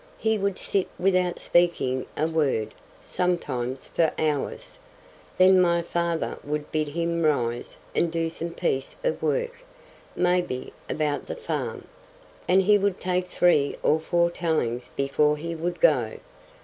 He would sit without speaking a word, sometimes, for hours; then my father would bid him rise and do some piece of work, maybe, about the farm. And he would take three or four tellings before he would go.